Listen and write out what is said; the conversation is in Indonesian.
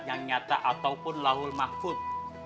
yang nyata ataupun lahul mahkud